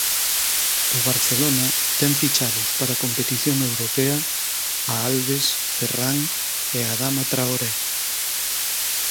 O Barcelona ten fichados para competición europea a Alves, Ferrán e Adama Traoré.